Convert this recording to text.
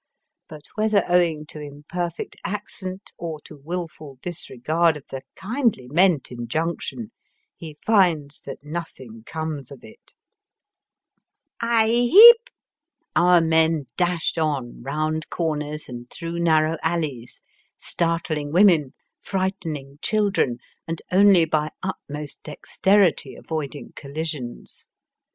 But whether owing to imperfect accent or to wilful disregard of the kindly meant injunction, he finds that nothing comes of it. Digitized by VjOOQIC 236 EAST BT WEST. Aye, heep !" Our men dashed on round comers and through narrow alleys, startling women, frightening children, and only by utmost dexterity avoiding collisions.